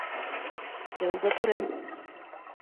Тәүгә күрәм.